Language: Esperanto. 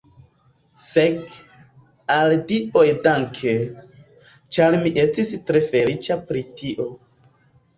Fek, al la dioj danke! ĉar mi estis tre feliĉa pri tio.